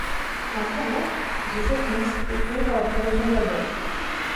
Un faux groupe, The Shockings, est créé pour la promotion de l'album.